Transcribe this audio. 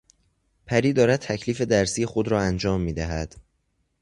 پری دارد تکلیف درسی خود را انجام میدهد.